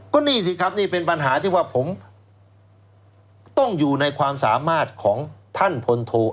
ก็นี่สิครับนี่เป็นปัญหาที่ว่าผมต้องอยู่ในความสามารถของท่านพลโท